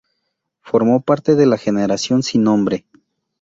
Formó parte de la Generación sin nombre.